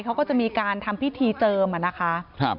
เขาก็จะมีการทำพิธีเจิมอ่ะนะคะ